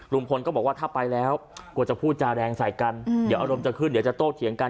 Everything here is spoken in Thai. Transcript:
ลุงพลก็บอกว่าถ้าไปแล้วกลัวจะพูดจาแรงใส่กันเดี๋ยวอารมณ์จะขึ้นเดี๋ยวจะโต้เถียงกัน